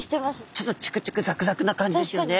ちょっとチクチクザクザクな感じですよね。